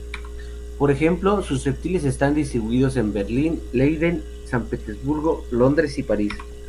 Por ejemplo, sus reptiles están distribuidos en Berlín, Leiden, San Petersburgo, Londres y París.